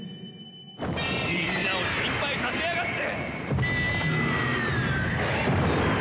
みんなを心配させやがって！